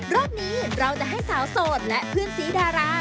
รอบนี้เราจะให้สาวโสดและเพื่อนสีดารา